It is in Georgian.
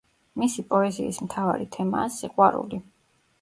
მისი პოეზიის მთავარი თემაა სიყვარული.